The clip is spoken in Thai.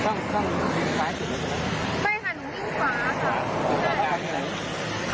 ช่องนั่นคือซ้ายจุดหรือเปล่า